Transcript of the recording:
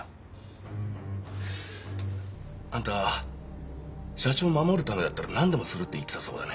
あんた社長を守るためだったらなんでもするって言ってたそうだね。